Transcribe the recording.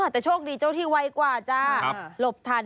แต่โชคดีเจ้าที่ไวกว่าจ้าหลบทัน